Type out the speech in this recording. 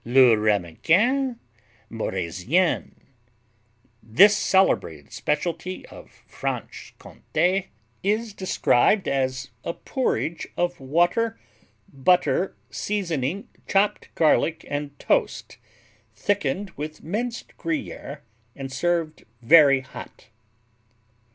Le Ramequin Morézien This celebrated specialty of Franche Comté is described as "a porridge of water, butter, seasoning, chopped garlic and toast; thickened with minced Gruyère and served very hot."